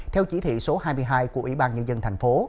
theo chỉ thị số hai mươi hai của ủy ban nhân dân tp